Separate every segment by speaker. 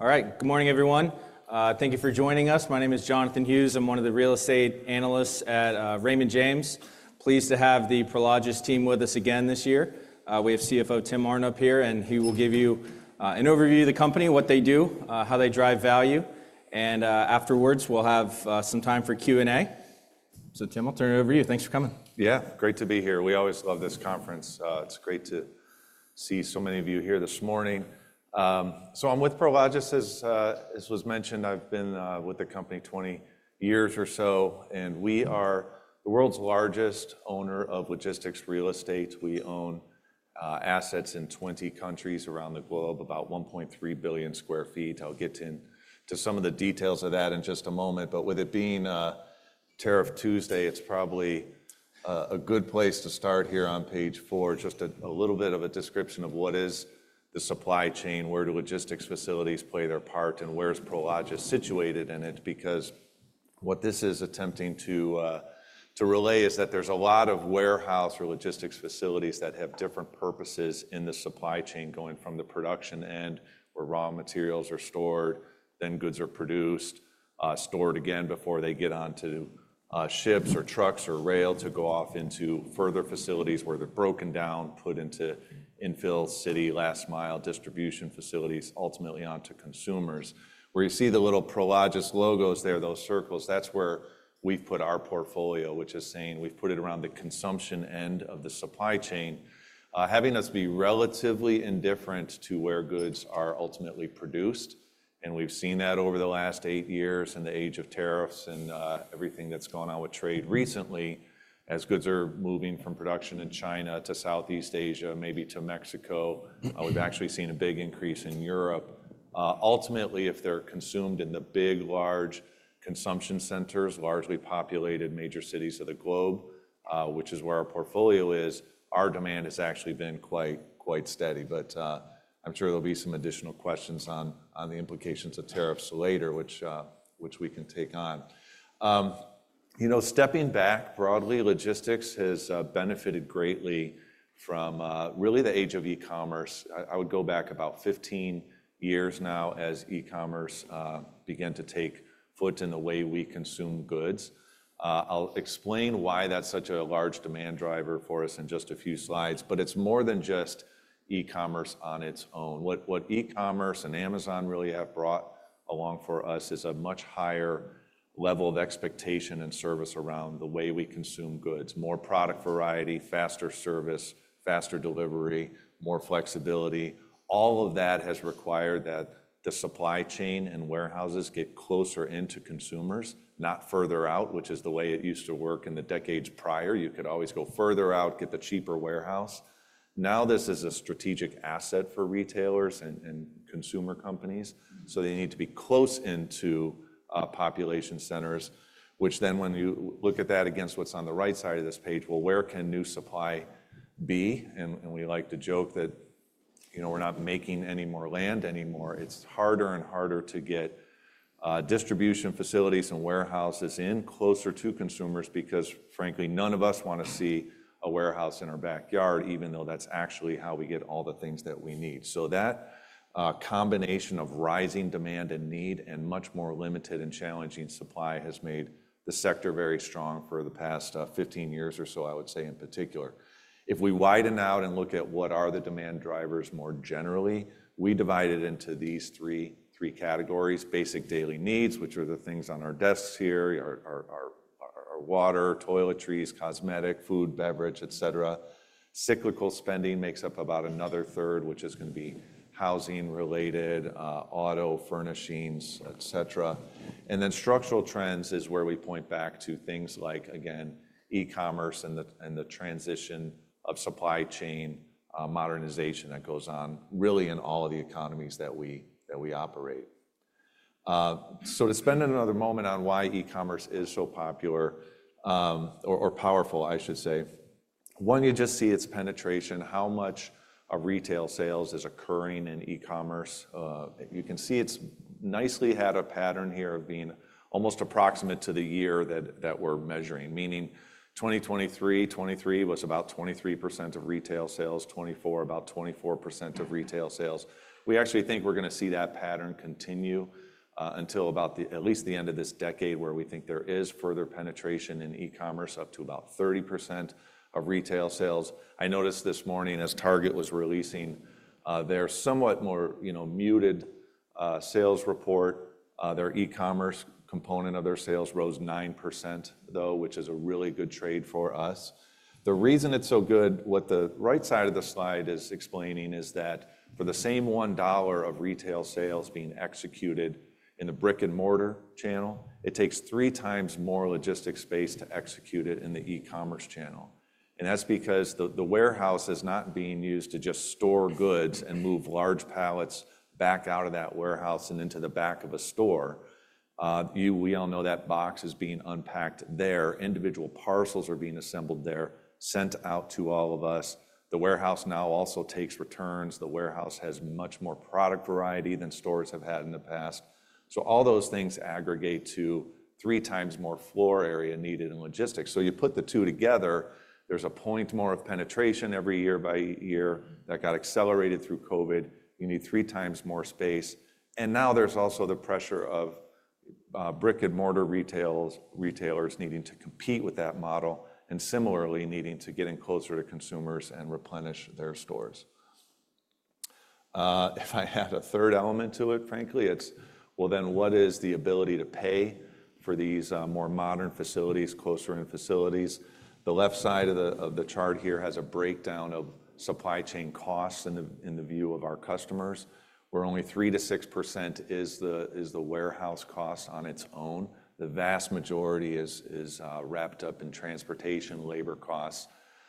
Speaker 1: All right, good morning, everyone. Thank you for joining us. My name is Jonathan Hughes. I'm one of the real estate analysts at Raymond James, pleased to have the Prologis team with us again this year. We have CFO Tim Arndt up here, and he will give you an overview of the company, what they do, how they drive value, and afterwards we'll have some time for Q&A, so Tim, I'll turn it over to you. Thanks for coming.
Speaker 2: Yeah, great to be here. We always love this conference. It's great to see so many of you here this morning. So I'm with Prologis. As was mentioned, I've been with the company 20 years or so, and we are the world's largest owner of logistics real estate. We own assets in 20 countries around the globe, about 1.3 billion sq ft. I'll get to some of the details of that in just a moment. But with it being Tariff Tuesday, it's probably a good place to start here on page four, just a little bit of a description of what is the supply chain, where do logistics facilities play their part, and where is Prologis situated in it. Because what this is attempting to relay is that there's a lot of warehouse or logistics facilities that have different purposes in the supply chain going from the production end, where raw materials are stored, then goods are produced, stored again before they get onto ships or trucks or rail to go off into further facilities where they're broken down, put into infill, city, last-mile distribution facilities, ultimately onto consumers. Where you see the little Prologis logos there, those circles, that's where we've put our portfolio, which is saying we've put it around the consumption end of the supply chain, having us be relatively indifferent to where goods are ultimately produced, and we've seen that over the last eight years in the age of tariffs and everything that's gone on with trade recently, as goods are moving from production in China to Southeast Asia, maybe to Mexico. We've actually seen a big increase in Europe. Ultimately, if they're consumed in the big, large consumption centers, largely populated major cities of the globe, which is where our portfolio is, our demand has actually been quite steady. But I'm sure there'll be some additional questions on the implications of tariffs later, which we can take on. You know, stepping back broadly, logistics has benefited greatly from really the age of e-commerce. I would go back about 15 years now as e-commerce began to take root in the way we consume goods. I'll explain why that's such a large demand driver for us in just a few slides, but it's more than just e-commerce on its own. What e-commerce and Amazon really have brought along for us is a much higher level of expectation and service around the way we consume goods: more product variety, faster service, faster delivery, more flexibility. All of that has required that the supply chain and warehouses get closer into consumers, not further out, which is the way it used to work in the decades prior. You could always go further out, get the cheaper warehouse. Now this is a strategic asset for retailers and consumer companies. So they need to be close into population centers, which then when you look at that against what's on the right side of this page, well, where can new supply be? And we like to joke that, you know, we're not making any more land anymore. It's harder and harder to get distribution facilities and warehouses in closer to consumers because, frankly, none of us want to see a warehouse in our backyard, even though that's actually how we get all the things that we need. So that combination of rising demand and need and much more limited and challenging supply has made the sector very strong for the past 15 years or so, I would say in particular. If we widen out and look at what are the demand drivers more generally, we divide it into these three categories: basic daily needs, which are the things on our desks here, our water, toiletries, cosmetic, food, beverage, et cetera. Cyclical spending makes up about another third, which is going to be housing related, auto furnishings, et cetera. And then structural trends is where we point back to things like, again, e-commerce and the transition of supply chain modernization that goes on really in all of the economies that we operate. So to spend another moment on why e-commerce is so popular or powerful, I should say, one, you just see its penetration, how much of retail sales is occurring in e-commerce. You can see it's nicely had a pattern here of being almost approximate to the year that we're measuring, meaning 2023, 2023 was about 23% of retail sales, 2024 about 24% of retail sales. We actually think we're going to see that pattern continue until about at least the end of this decade where we think there is further penetration in e-commerce up to about 30% of retail sales. I noticed this morning as Target was releasing their somewhat more muted sales report, their e-commerce component of their sales rose 9% though, which is a really good trade for us. The reason it's so good, what the right side of the slide is explaining is that for the same $1 of retail sales being executed in the brick and mortar channel, it takes three times more logistics space to execute it in the e-commerce channel. And that's because the warehouse is not being used to just store goods and move large pallets back out of that warehouse and into the back of a store. We all know that box is being unpacked there. Individual parcels are being assembled there, sent out to all of us. The warehouse now also takes returns. The warehouse has much more product variety than stores have had in the past. So all those things aggregate to three times more floor area needed in logistics. So you put the two together, there's a point more of penetration every year by year that got accelerated through COVID. You need three times more space. And now there's also the pressure of brick and mortar retailers needing to compete with that model and similarly needing to get in closer to consumers and replenish their stores. If I had a third element to it, frankly, it's, well, then what is the ability to pay for these more modern facilities, closer-in facilities? The left side of the chart here has a breakdown of supply chain costs in the view of our customers, where only 3%-6% is the warehouse cost on its own. The vast majority is wrapped up in transportation, labor costs.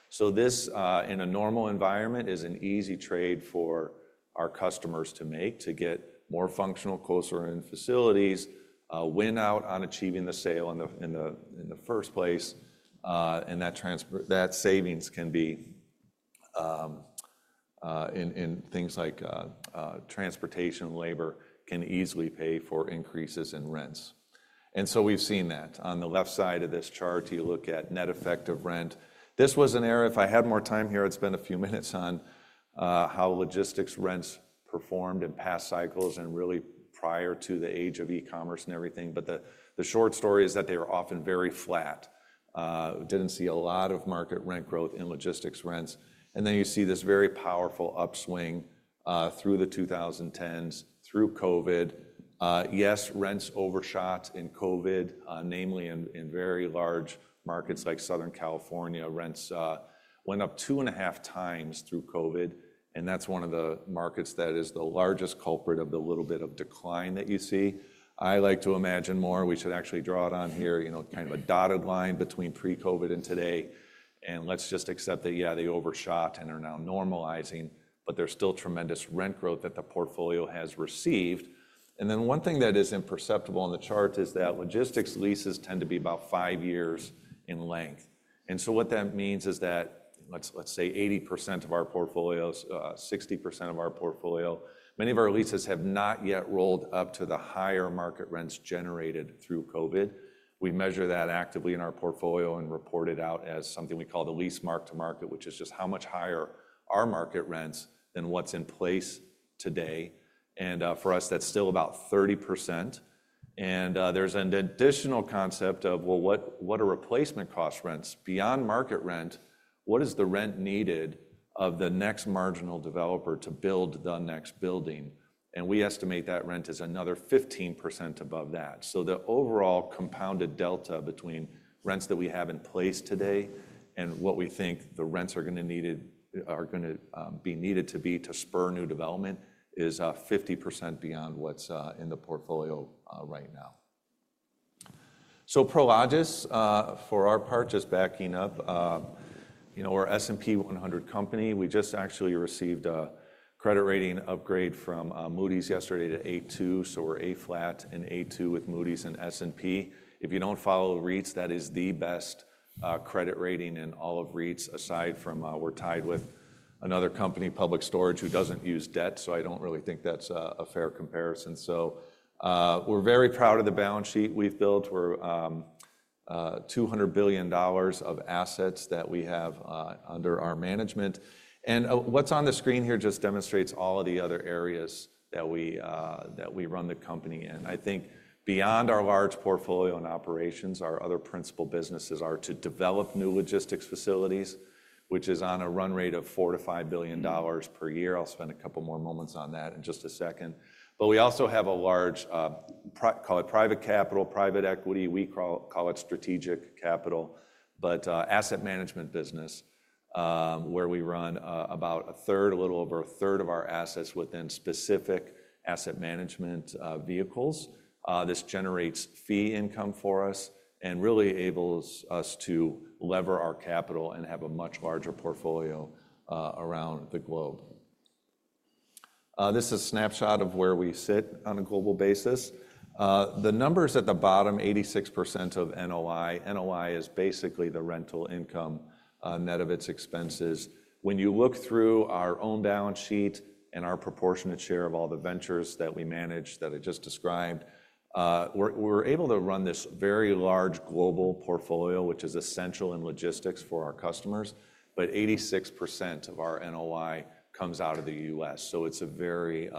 Speaker 2: So this, in a normal environment, is an easy trade for our customers to make to get more functional, closer-in facilities, win out on achieving the sale in the first place, and that savings can be in things like transportation and labor can easily pay for increases in rents, and so we've seen that. On the left side of this chart, you look at net effective rent. This was an error. If I had more time here, I'd spend a few minutes on how logistics rents performed in past cycles and really prior to the age of e-commerce and everything, but the short story is that they were often very flat. Didn't see a lot of market rent growth in logistics rents, and then you see this very powerful upswing through the 2010s, through COVID. Yes, rents overshot in COVID, namely in very large markets like Southern California. Rents went up two and a half times through COVID. And that's one of the markets that is the largest culprit of the little bit of decline that you see. I like to imagine more. We should actually draw it on here, you know, kind of a dotted line between pre-COVID and today. And let's just accept that, yeah, they overshot and are now normalizing, but there's still tremendous rent growth that the portfolio has received. And then one thing that is imperceptible on the chart is that logistics leases tend to be about five years in length. And so what that means is that let's say 80% of our portfolio, 60% of our portfolio, many of our leases have not yet rolled up to the higher market rents generated through COVID. We measure that actively in our portfolio and report it out as something we call the lease mark-to-market, which is just how much higher our market rents than what's in place today, and for us, that's still about 30%. And there's an additional concept of, well, what are replacement cost rents beyond market rent? What is the rent needed of the next marginal developer to build the next building? And we estimate that rent is another 15% above that. So the overall compounded delta between rents that we have in place today and what we think the rents are going to need to be to spur new development is 50% beyond what's in the portfolio right now, so Prologis, for our part, just backing up, you know, we're an S&P 100 company. We just actually received a credit rating upgrade from Moody's yesterday to A2. So we're A-flat and A2 with Moody's and S&P. If you don't follow REITs, that is the best credit rating in all of REITs, aside from we're tied with another company, Public Storage, who doesn't use debt. So I don't really think that's a fair comparison. So we're very proud of the balance sheet we've built. We're $200 billion of assets that we have under our management. And what's on the screen here just demonstrates all of the other areas that we run the company in. I think beyond our large portfolio and operations, our other principal businesses are to develop new logistics facilities, which is on a run rate of $4-$5 billion per year. I'll spend a couple more moments on that in just a second. But we also have a large, call it private capital, private equity. We call it strategic capital, but asset management business, where we run about a third, a little over a third of our assets within specific asset management vehicles. This generates fee income for us and really enables us to lever our capital and have a much larger portfolio around the globe. This is a snapshot of where we sit on a global basis. The numbers at the bottom, 86% of NOI. NOI is basically the rental income net of its expenses. When you look through our own balance sheet and our proportionate share of all the ventures that we manage that I just described, we're able to run this very large global portfolio, which is essential in logistics for our customers. But 86% of our NOI comes out of the U.S. So it's a very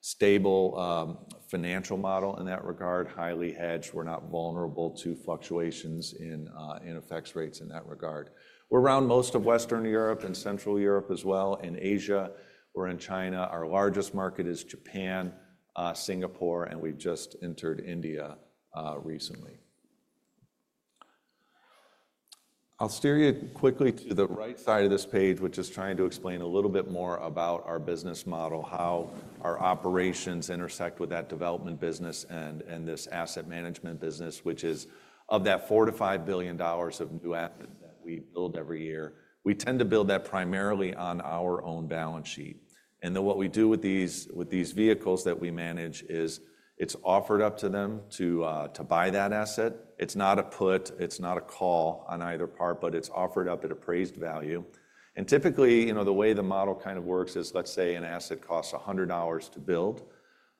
Speaker 2: stable financial model in that regard, highly hedged. We're not vulnerable to fluctuations in exchange rates in that regard. We're in most of Western Europe and Central Europe as well. In Asia, we're in China. Our largest market is Japan, Singapore, and we just entered India recently. I'll steer you quickly to the right side of this page, which is trying to explain a little bit more about our business model, how our operations intersect with that development business and this asset management business, which is of that $4-$5 billion of new assets that we build every year. We tend to build that primarily on our own balance sheet. And then what we do with these vehicles that we manage is it's offered up to them to buy that asset. It's not a put, it's not a call on either part, but it's offered up at appraised value. Typically, you know, the way the model kind of works is let's say an asset costs $100 to build.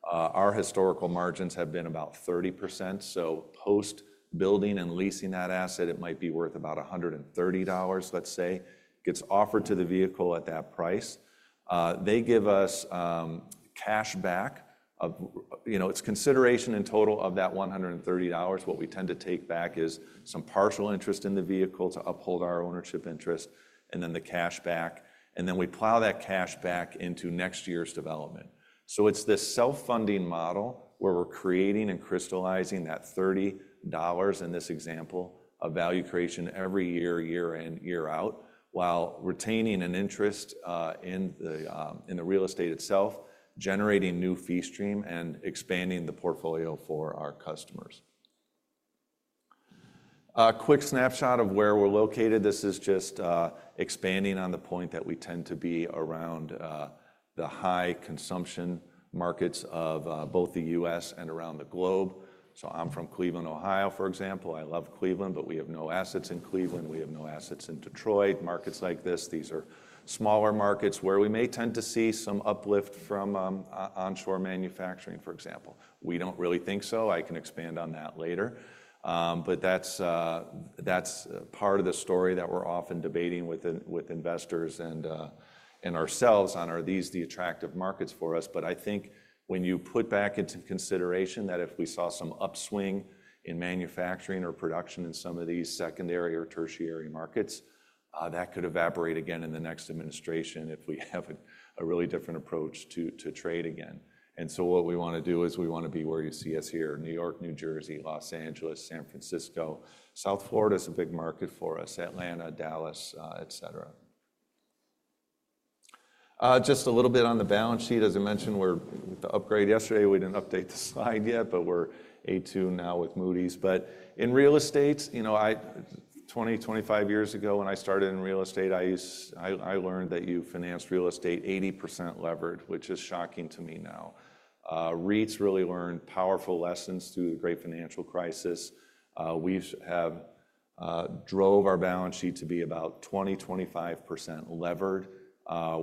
Speaker 2: Our historical margins have been about 30%. So post-building and leasing that asset, it might be worth about $130, let's say. It gets offered to the vehicle at that price. They give us cash back of, you know, it's consideration in total of that $130. What we tend to take back is some partial interest in the vehicle to uphold our ownership interest, and then the cash back. And then we plow that cash back into next year's development. So it's this self-funding model where we're creating and crystallizing that $30 in this example of value creation every year, year in, year out, while retaining an interest in the real estate itself, generating new fee stream and expanding the portfolio for our customers. Quick snapshot of where we're located. This is just expanding on the point that we tend to be around the high consumption markets of both the U.S. and around the globe. So I'm from Cleveland, Ohio, for example. I love Cleveland, but we have no assets in Cleveland. We have no assets in Detroit. Markets like this, these are smaller markets where we may tend to see some uplift from onshore manufacturing, for example. We don't really think so. I can expand on that later. But that's part of the story that we're often debating with investors and ourselves on are these the attractive markets for us? But I think when you put back into consideration that if we saw some upswing in manufacturing or production in some of these secondary or tertiary markets, that could evaporate again in the next administration if we have a really different approach to trade again. And so what we want to do is we want to be where you see us here, New York, New Jersey, Los Angeles, San Francisco. South Florida is a big market for us, Atlanta, Dallas, et cetera. Just a little bit on the balance sheet. As I mentioned, we're with the upgrade. Yesterday, we didn't update the slide yet, but we're A2 now with Moody's. But in real estate, you know, 20-25 years ago when I started in real estate, I learned that you financed real estate 80% levered, which is shocking to me now. REITs really learned powerful lessons through the great financial crisis. We have drove our balance sheet to be about 20%-25% levered.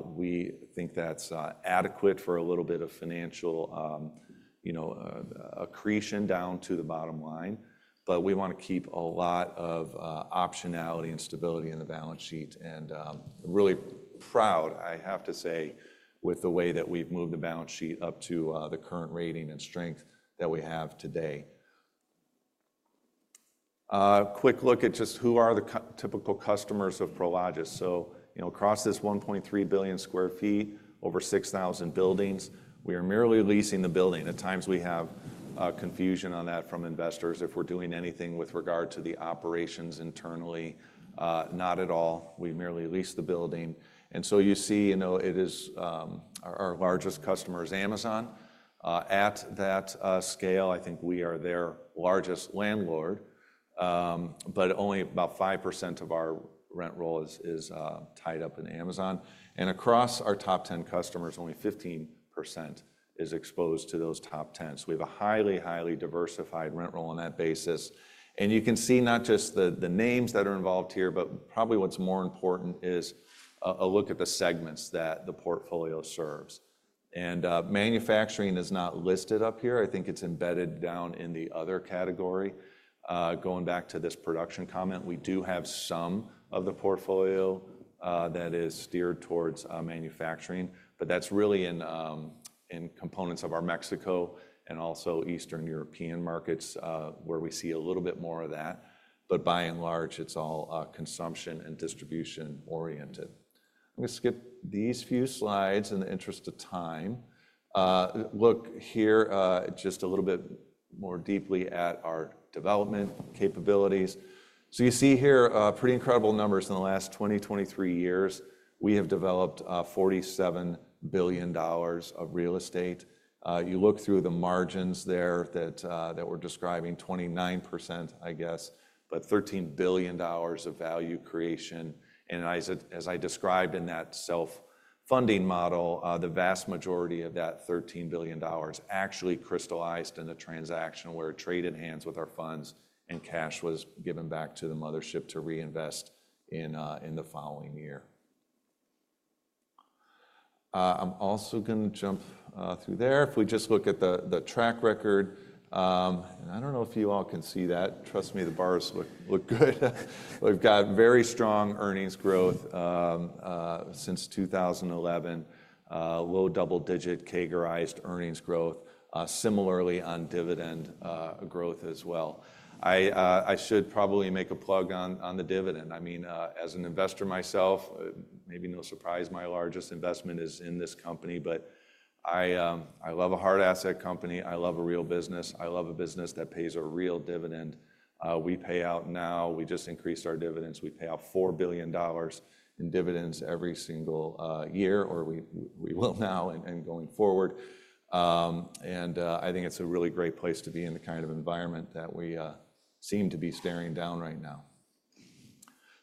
Speaker 2: We think that's adequate for a little bit of financial, you know, accretion down to the bottom line. But we want to keep a lot of optionality and stability in the balance sheet. And I'm really proud, I have to say, with the way that we've moved the balance sheet up to the current rating and strength that we have today. Quick look at just who are the typical customers of Prologis. So, you know, across this 1.3 billion sq ft, over 6,000 buildings, we are merely leasing the building. At times, we have confusion on that from investors. If we're doing anything with regard to the operations internally, not at all. We merely lease the building. And so you see, you know, our largest customer is Amazon. At that scale, I think we are their largest landlord, but only about 5% of our rent roll is tied up in Amazon. And across our top 10 customers, only 15% is exposed to those top 10. So we have a highly, highly diversified rent roll on that basis. And you can see not just the names that are involved here, but probably what's more important is a look at the segments that the portfolio serves. And manufacturing is not listed up here. I think it's embedded down in the other category. Going back to this production comment, we do have some of the portfolio that is steered towards manufacturing, but that's really in components of our Mexico and also Eastern European markets where we see a little bit more of that. But by and large, it's all consumption and distribution oriented. I'm going to skip these few slides in the interest of time. Look here just a little bit more deeply at our development capabilities. So you see here pretty incredible numbers. In the last 20-23 years, we have developed $47 billion of real estate. You look through the margins there that we're describing, 29%, I guess, but $13 billion of value creation, and as I described in that self-funding model, the vast majority of that $13 billion actually crystallized in a transaction where a trade enhanced with our funds and cash was given back to the mothership to reinvest in the following year. I'm also going to jump through there. If we just look at the track record, and I don't know if you all can see that. Trust me, the bars look good. We've got very strong earnings growth since 2011, low double-digit CAGR-ized earnings growth, similarly on dividend growth as well. I should probably make a plug on the dividend. I mean, as an investor myself, maybe no surprise, my largest investment is in this company, but I love a hard asset company. I love a real business. I love a business that pays a real dividend. We pay out now. We just increased our dividends. We pay out $4 billion in dividends every single year, or we will now and going forward, and I think it's a really great place to be in the kind of environment that we seem to be staring down right now,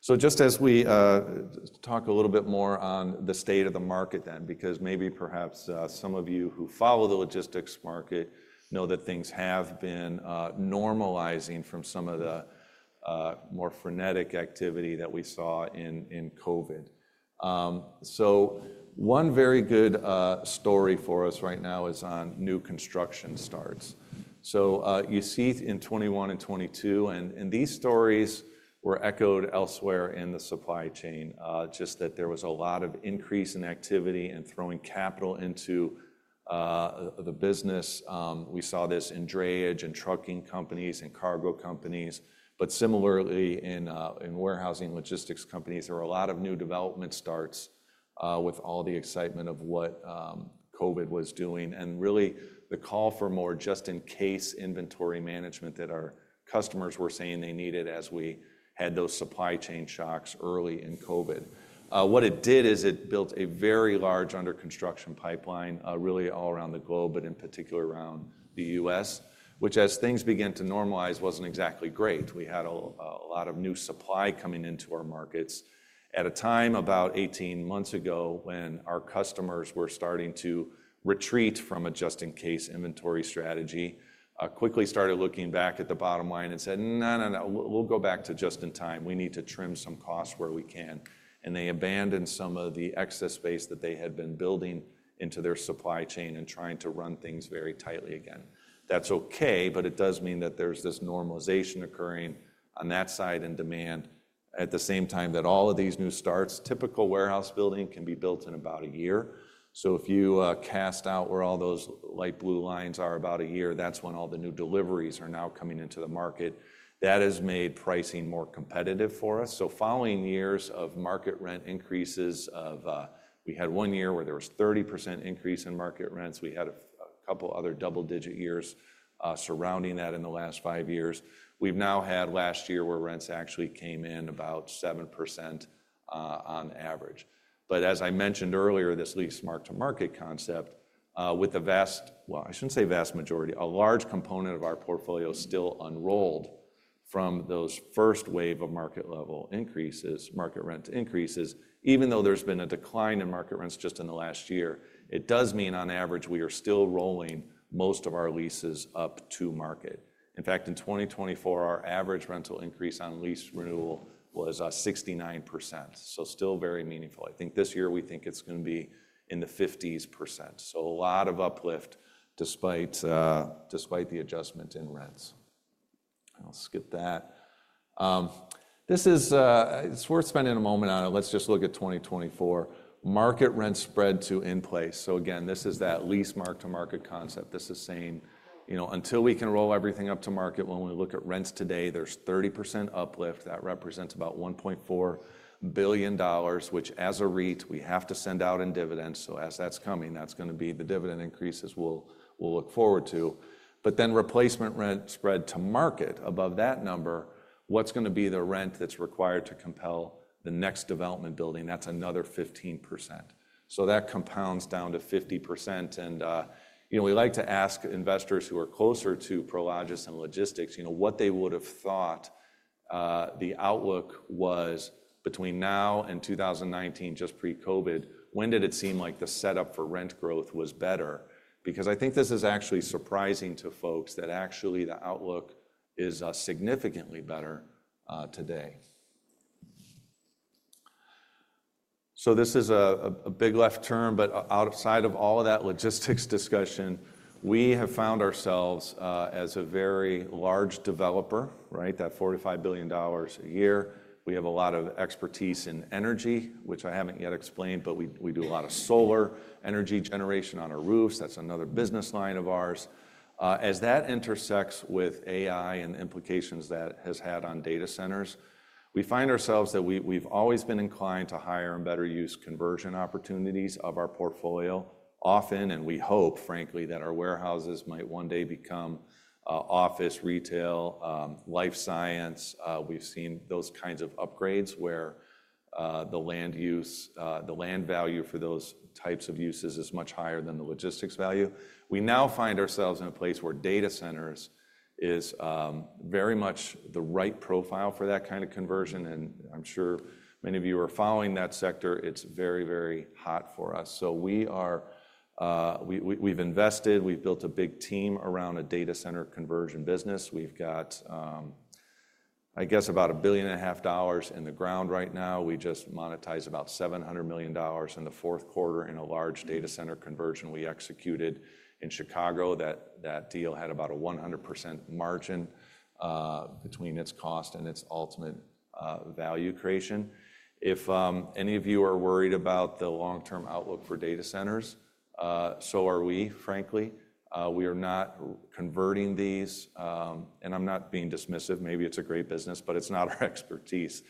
Speaker 2: so just as we talk a little bit more on the state of the market then, because maybe perhaps some of you who follow the logistics market know that things have been normalizing from some of the more frenetic activity that we saw in COVID, so one very good story for us right now is on new construction starts. So you see in 2021 and 2022, and these stories were echoed elsewhere in the supply chain, just that there was a lot of increase in activity and throwing capital into the business. We saw this in drayage and trucking companies and cargo companies. But similarly, in warehousing logistics companies, there were a lot of new development starts with all the excitement of what COVID was doing. And really, the call for more just-in-case inventory management that our customers were saying they needed as we had those supply chain shocks early in COVID. What it did is it built a very large under-construction pipeline really all around the globe, but in particular around the U.S., which as things began to normalize wasn't exactly great. We had a lot of new supply coming into our markets at a time about 18 months ago when our customers were starting to retreat from a just-in-case inventory strategy, quickly started looking back at the bottom line and said, "No, no, no, we'll go back to just-in-time. We need to trim some costs where we can," and they abandoned some of the excess space that they had been building into their supply chain and trying to run things very tightly again. That's okay, but it does mean that there's this normalization occurring on that side in demand at the same time that all of these new starts. Typical warehouse building can be built in about a year, so if you cast out where all those light blue lines are about a year, that's when all the new deliveries are now coming into the market. That has made pricing more competitive for us. So following years of market rent increases, we had one year where there was a 30% increase in market rents. We had a couple other double-digit years surrounding that in the last five years. We've now had last year where rents actually came in about 7% on average. But as I mentioned earlier, this lease mark-to-market concept with a vast, well, I shouldn't say vast majority, a large component of our portfolio still unrolled from those first wave of market level increases, market rent increases. Even though there's been a decline in market rents just in the last year, it does mean on average we are still rolling most of our leases up to market. In fact, in 2024, our average rental increase on lease renewal was 69%. So still very meaningful. I think this year we think it's going to be in the 50%, so a lot of uplift despite the adjustment in rents. I'll skip that. This is worth spending a moment on it. Let's just look at 2024. Market rent spread to in place. So again, this is that lease mark-to-market concept. This is saying, you know, until we can roll everything up to market, when we look at rents today, there's 30% uplift. That represents about $1.4 billion, which as a REIT, we have to send out in dividends. So as that's coming, that's going to be the dividend increases we'll look forward to. But then replacement rent spread to market above that number, what's going to be the rent that's required to compel the next development building? That's another 15%. So that compounds down to 50%. You know, we like to ask investors who are closer to Prologis and logistics, you know, what they would have thought the outlook was between now and 2019, just pre-COVID, when did it seem like the setup for rent growth was better? Because I think this is actually surprising to folks that actually the outlook is significantly better today. This is a big left turn, but outside of all of that logistics discussion, we have found ourselves as a very large developer, right? That $45 billion a year. We have a lot of expertise in energy, which I haven't yet explained, but we do a lot of solar energy generation on our roofs. That's another business line of ours. As that intersects with AI and the implications that has had on data centers, we find ourselves that we've always been inclined to higher and better use conversion opportunities of our portfolio often, and we hope, frankly, that our warehouses might one day become office, retail, life science. We've seen those kinds of upgrades where the land use, the land value for those types of uses is much higher than the logistics value. We now find ourselves in a place where data centers is very much the right profile for that kind of conversion. and I'm sure many of you are following that sector. It's very, very hot for us. so we've invested, we've built a big team around a data center conversion business. We've got, I guess, about $1.5 billion in the ground right now. We just monetized about $700 million in the fourth quarter in a large data center conversion we executed in Chicago. That deal had about a 100% margin between its cost and its ultimate value creation. If any of you are worried about the long-term outlook for data centers, so are we, frankly. We are not converting these, and I'm not being dismissive. Maybe it's a great business, but it's not our expertise.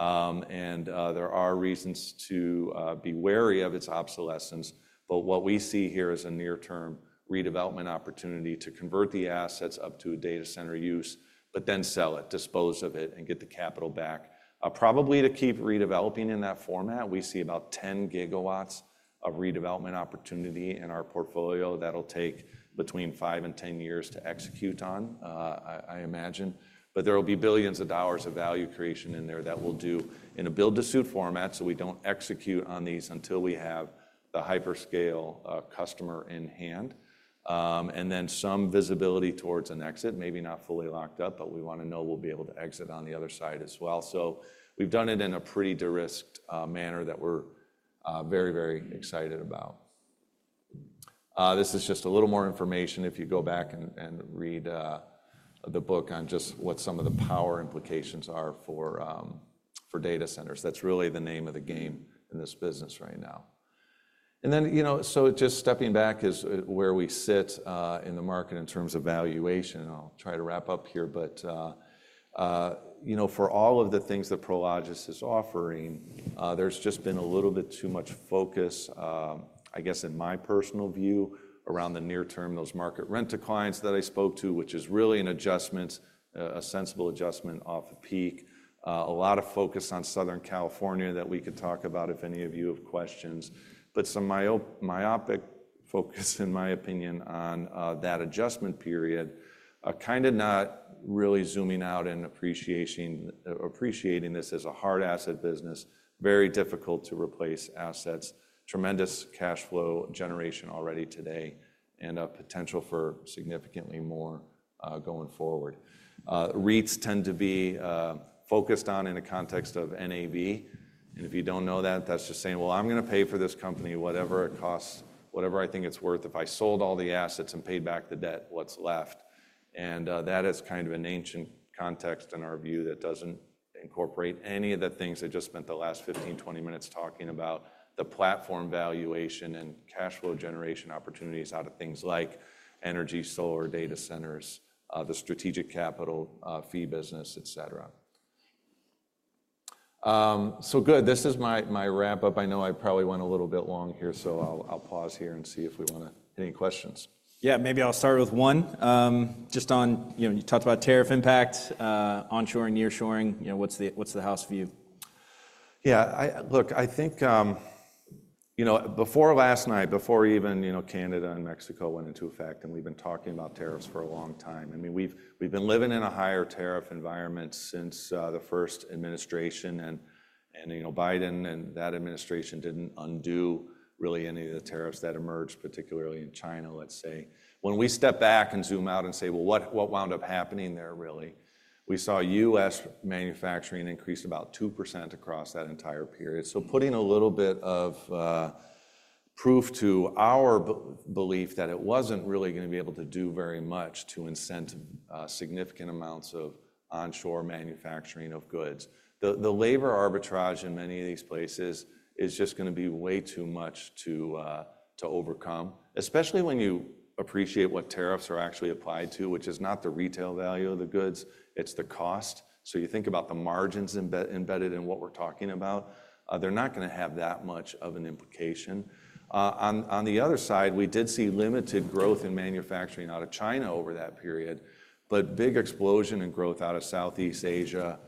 Speaker 2: And there are reasons to be wary of its obsolescence. But what we see here is a near-term redevelopment opportunity to convert the assets up to a data center use, but then sell it, dispose of it, and get the capital back. Probably to keep redeveloping in that format, we see about 10GW of redevelopment opportunity in our portfolio that'll take between five and 10 years to execute on, I imagine. But there will be billions of dollars of value creation in there that we'll do in a build-to-suit format so we don't execute on these until we have the hyperscale customer in hand. And then some visibility towards an exit, maybe not fully locked up, but we want to know we'll be able to exit on the other side as well. So we've done it in a pretty de-risked manner that we're very, very excited about. This is just a little more information. If you go back and read the book on just what some of the power implications are for data centers, that's really the name of the game in this business right now. And then, you know, so just stepping back is where we sit in the market in terms of valuation. I'll try to wrap up here, but you know, for all of the things that Prologis is offering, there's just been a little bit too much focus, I guess, in my personal view around the near-term, those market rent declines that I spoke to, which is really an adjustment, a sensible adjustment off the peak. A lot of focus on Southern California that we could talk about if any of you have questions. But some myopic focus, in my opinion, on that adjustment period, kind of not really zooming out and appreciating this as a hard asset business, very difficult to replace assets, tremendous cash flow generation already today, and a potential for significantly more going forward. REITs tend to be focused on in the context of NAV. And if you don't know that, that's just saying, well, I'm going to pay for this company, whatever it costs, whatever I think it's worth if I sold all the assets and paid back the debt, what's left? And that is kind of an ancient context in our view that doesn't incorporate any of the things I just spent the last 15, 20 minutes talking about, the platform valuation and cash flow generation opportunities out of things like energy, solar, data centers, the strategic capital fee business, et cetera. So good. This is my wrap-up. I know I probably went a little bit long here, so I'll pause here and see if we want to hit any questions.
Speaker 1: Yeah, maybe I'll start with one. Just on, you know, you talked about tariff impact, onshoring, nearshoring, you know, what's the house view?
Speaker 2: Yeah, look, I think, you know, before last night, before even, you know, Canada and Mexico went into effect, and we've been talking about tariffs for a long time. I mean, we've been living in a higher tariff environment since the first administration. And, you know, Biden and that administration didn't undo really any of the tariffs that emerged, particularly in China, let's say. When we step back and zoom out and say, well, what wound up happening there really? We saw U.S. manufacturing increased about 2% across that entire period. So putting a little bit of proof to our belief that it wasn't really going to be able to do very much to incent significant amounts of onshore manufacturing of goods. The labor arbitrage in many of these places is just going to be way too much to overcome, especially when you appreciate what tariffs are actually applied to, which is not the retail value of the goods, it's the cost. So you think about the margins embedded in what we're talking about, they're not going to have that much of an implication. On the other side, we did see limited growth in manufacturing out of China over that period, but big explosion in growth out of Southeast Asia,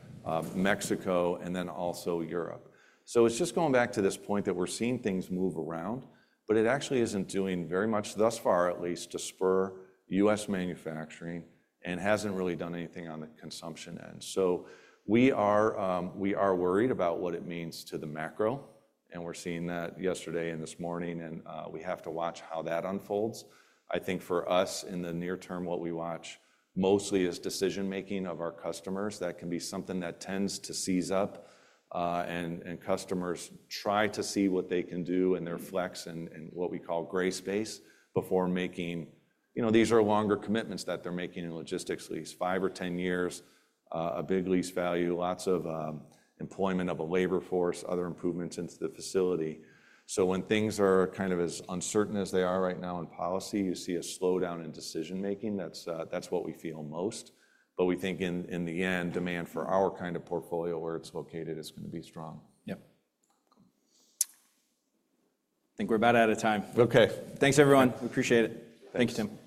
Speaker 2: Mexico, and then also Europe. So it's just going back to this point that we're seeing things move around, but it actually isn't doing very much thus far, at least to spur U.S. manufacturing and hasn't really done anything on the consumption end. So we are worried about what it means to the macro, and we're seeing that yesterday and this morning, and we have to watch how that unfolds. I think for us in the near term, what we watch mostly is decision-making of our customers. That can be something that tends to seize up, and customers try to see what they can do in their flex and what we call gray space before making, you know, these are longer commitments that they're making in logistics, at least five or 10 years, a big lease value, lots of employment of a labor force, other improvements into the facility. So when things are kind of as uncertain as they are right now in policy, you see a slowdown in decision-making. That's what we feel most. But we think in the end, demand for our kind of portfolio where it's located is going to be strong.
Speaker 1: Yep. I think we're about out of time.
Speaker 2: Okay.
Speaker 1: Thanks, everyone. We appreciate it. Thanks, Tim.